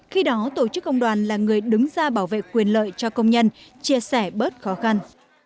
khi đó tổ chức công đoàn là người đứng ra bảo vệ quyền lợi cho công nhân chia sẻ bớt khó khăn